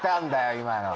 今の。